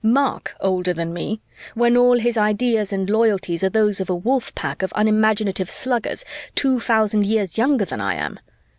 Mark older than me? When all his ideas and loyalties are those of a wolf pack of unimaginative sluggers two thousand years younger than I am?